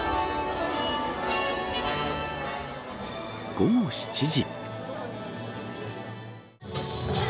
午後７時。